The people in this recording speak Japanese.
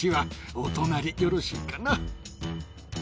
お隣、よろしいかな？